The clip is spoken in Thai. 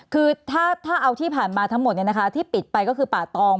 คือถ้าเอาที่ผ่านมาทั้งหมดที่ปิดไปก็คือป่าตอง